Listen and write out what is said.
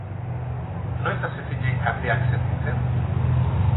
Noiz hasi zinen kateak sentitzen?